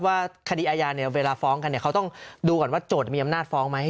ว่าคดีอาญาเนี่ยเวลาฟ้องกันเนี่ยเขาต้องดูก่อนว่าโจทย์มีอำนาจฟ้องไหม